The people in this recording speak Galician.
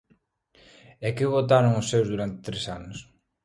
¿E que votaron os seus durante tres anos?